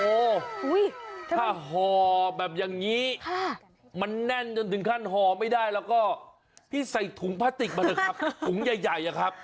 โอ้โหถ้าห่อแบบอย่างนี้มันแน่นจนถึงขั้นห่อไม่ได้แล้วก็พี่ใส่ถุงพลาสติกมาเถอะครับถุงใหญ่อะครับ